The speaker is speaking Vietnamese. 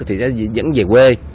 thì sẽ dẫn về quê